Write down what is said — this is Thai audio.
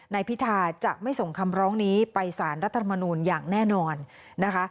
นายพิธาจะไม่ส่งคำร้องนี้ไปสารรัฐธรรมนูลอย่างแน่นอนนะคะ